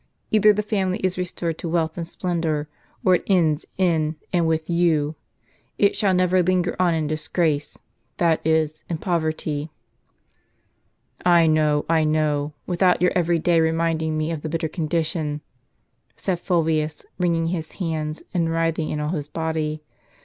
Either the family is restored to wealth and splendor, or it ends in and with you. It shall never linger on in disgrace, that is, in poverty." " I know, I know, without your every day reminding me of the bitter condition," said Fulvius, wringing his hands, and writhing in all his body.